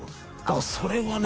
それはね